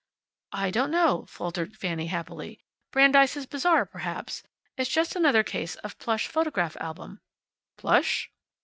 "I don't know," faltered Fanny happily. "Brandeis' Bazaar, perhaps. It's just another case of plush photograph album." "Plush